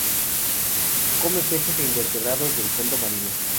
Come peces e invertebrados del fondo marino.